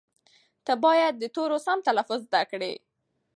ته باید د تورو سم تلفظ زده کړې.